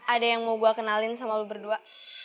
ada yang mau gue kenalin sama lo berdua